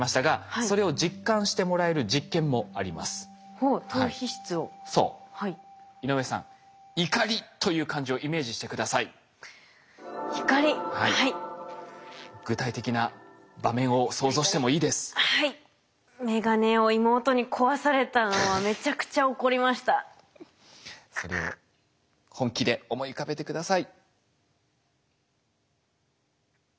それを本気で思い浮かべて下さい。